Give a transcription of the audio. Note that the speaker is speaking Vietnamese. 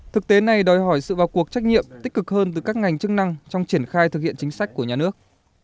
thực tế này đòi hỏi sự vào cuộc trách nhiệm tích cực hơn từ các ngành chức năng trong triển khai thực hiện chính sách của nhà nước